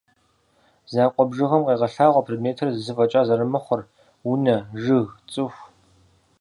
Закъуэ бжыгъэм къегъэлъагъуэ предметыр зы фӏэкӏа зэрымыхъур: унэ, жыг, цӏыху.